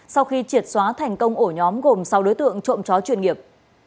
sau khi triệt xóa thành công ổ nhóm gồm sáu đối tượng trộm chó chuyên nghiệp